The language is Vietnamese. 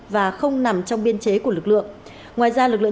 và không nằm trong biên chế của lực lượng